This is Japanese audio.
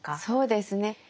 そうですね。